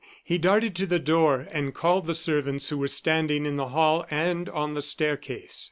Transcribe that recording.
He darted to the door, and called the servants who were standing in the hall and on the staircase.